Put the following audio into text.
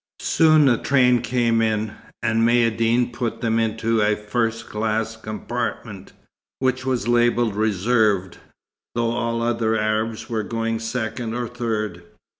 Soon the train came in, and Maïeddine put them into a first class compartment, which was labelled "reserved," though all other Arabs were going second or third.